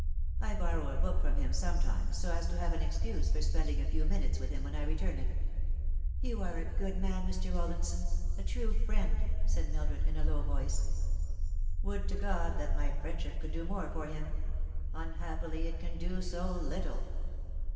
I borrow a book from him some times, so as to have an excuse for spending a few minutes with him when I return it" " You are a good man, Mr. RoDinson, a tame friend," said Mildred, in a low voice. " Would to God that my friendship could do more for him ! Unhappily it can do so little."